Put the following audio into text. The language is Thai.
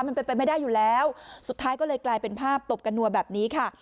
มันเป็นไปไม่ได้อยู่แล้วสุดท้ายก็เลยกลายเป็นภาพตบกันนัวแบบนี้ค่ะ